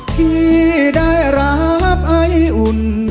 ที่ได้รับไออุ่น